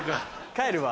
帰るわ。